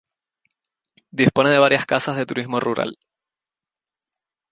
Dispone de varias casas de turismo rural.